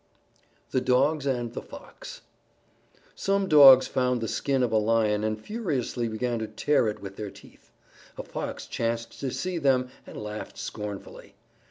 _ THE DOGS AND THE FOX Some Dogs found the skin of a Lion and furiously began to tear it with their teeth. A Fox chanced to see them and laughed scornfully.